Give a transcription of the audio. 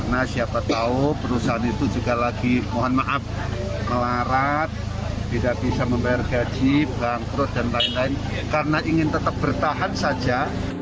nah siapa tahu perusahaan itu juga lagi mohon maaf melarat tidak bisa membayar gaji bangkrut dan lain lain karena ingin tetap bertahan saja